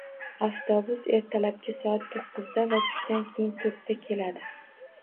Avtobus ertalabki soat to`qqizda va tushdan keyin to`rtda keladi